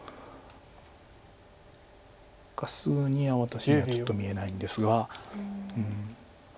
すぐには私にはちょっと見えないんですが。